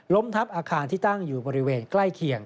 ทับอาคารที่ตั้งอยู่บริเวณใกล้เคียง